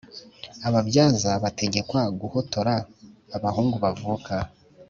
Ababyaza bategekwa guhotora abahungu bavuka